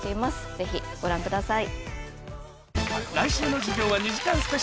ぜひご覧ください。